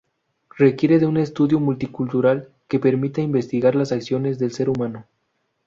Requiere de un estudio multicultural que permita investigar las acciones del ser humano.